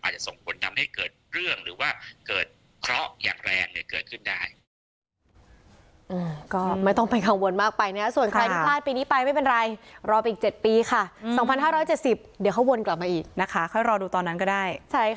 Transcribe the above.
ส่งผลทำให้เกิดเรื่องหรือว่าเกิดเคราะห์อย่างแรงเกิดขึ้นได้